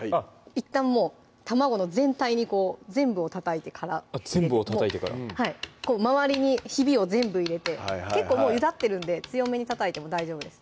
いったんもう卵の全体にこう全部をたたいてから全部をたたいてからこう周りにひびを全部入れて結構もうゆだってるんで強めにたたいても大丈夫です